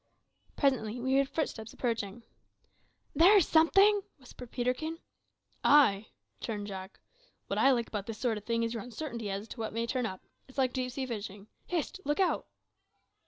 Presently we heard footsteps approaching. "There's something," whispered Peterkin. "Ay," returned Jack. "What I like about this sort o' thing is your uncertainty as to what may turn up. It's like deep sea fishing. Hist! look out."